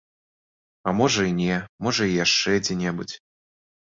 А можа і не, можа і яшчэ дзе-небудзь.